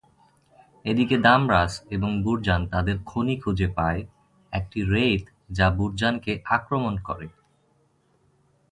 এদিকে, দামরাস এবং বুরজান তাদের খনি খুঁজে পায়, একটি "রেইথ" যা বুরজানকে আক্রমণ করে।